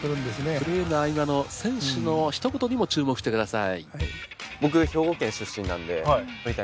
プレーの合間の選手のひと言にも注目してください。